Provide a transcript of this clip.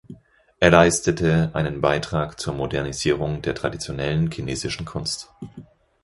Er leistete einen Beitrag zur Modernisierung der traditionellen chinesischen Kunst.